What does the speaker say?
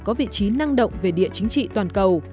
có vị trí năng động về địa chính trị toàn cầu